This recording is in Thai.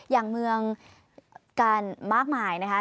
อย่างเมืองกันมากมายนะคะ